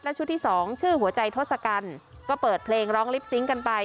ชุดที่สองชื่อหัวใจทศกัณฐ์ก็เปิดเพลงร้องลิปซิงค์กันไป